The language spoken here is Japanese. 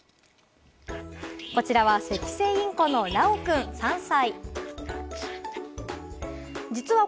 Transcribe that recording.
こちらはセキセイインコのラオくん、３歳。